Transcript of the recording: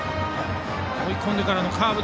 追い込んでからのカーブ